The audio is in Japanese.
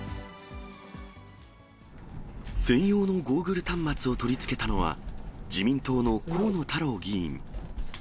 専用のゴーグル端末を取り付けたのは、自民党の河野太郎議員。